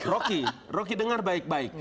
rocky rocky dengar baik baik